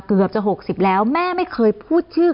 เกือบจะ๖๐แล้วแม่ไม่เคยพูดชื่อ